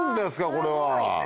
これは！